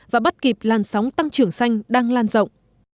và bắt kịp làn sóng tăng trưởng xanh đang lan rộng